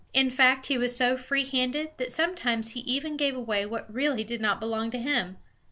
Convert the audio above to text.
In fact, he was so free handed that sometimes he even gave away what really did not belong to him!